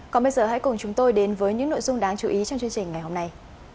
còn bây giờ hãy cùng chúng tôi đến với những nội dung đáng chú ý trong chương trình ngày hôm nay